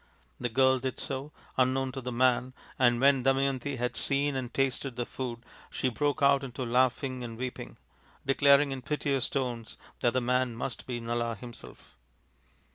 The girl did so, unknown to the man, and when Damayanti had seen and tasted the food she broke out into laughing and weeping, declaring in piteous tones that the man must be Nala himself.